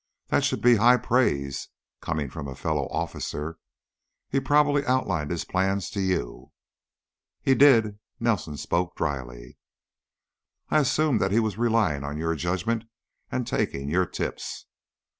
That should be high praise, coming from a fellow officer. He probably outlined his plans to you." "He did." Nelson spoke dryly. "I assumed that he was relying on your judgment and taking your tips."